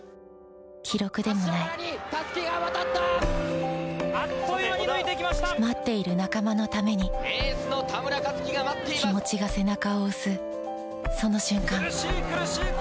記録でもない待っている仲間のために気持ちが背中を押すその瞬間